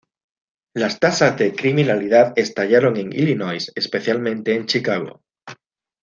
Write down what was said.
Las tasas de criminalidad estallaron en Illinois, especialmente en Chicago.